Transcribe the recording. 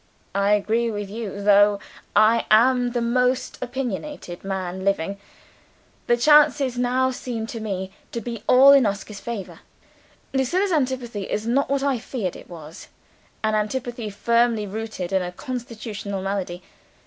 "I agree with you though I am the most opinionated man living. The chances now seem to me to be all in Oscar's favor, Lucilla's antipathy is not what I feared it was an antipathy firmly rooted in a constitutional malady.